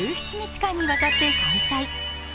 １７日間にわたって開催。